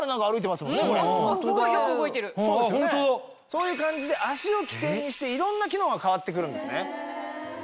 そういう感じで足を起点にしていろんな機能が変わって来るんですね。